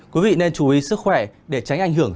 quý vị nên chú ý sức khỏe để tránh ảnh hưởng